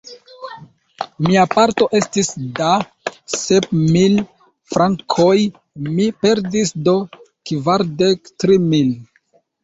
Mia parto estis da sep mil frankoj; mi perdis do kvardek tri mil.